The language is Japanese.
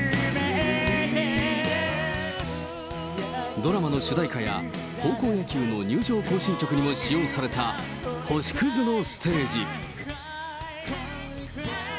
ドラマの主題歌や高校野球の入場行進曲にも使用された星屑のステージ。